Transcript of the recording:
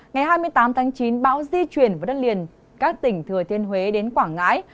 ngày hai mươi tám tháng chín bão di chuyển vào đất liền các tỉnh thừa thiên huế đến quảng ngãi